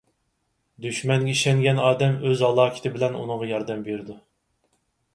دۈشمەنگە ئىشەنگەن ئادەم ئۆز ھالاكىتى بىلەن ئۇنىڭغا ياردەم بېرىدۇ.